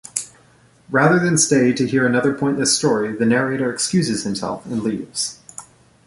Rather than stay to hear another pointless story, the narrator excuses himself and leaves.